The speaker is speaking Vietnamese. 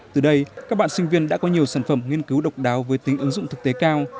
từ đây các bạn sinh viên đã có nhiều sản phẩm nghiên cứu độc đáo với tính ứng dụng thực tế cao